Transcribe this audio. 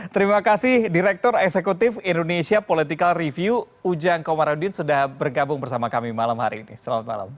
terima kasih direktur eksekutif indonesia political review ujang komarudin sudah bergabung bersama kami malam hari ini selamat malam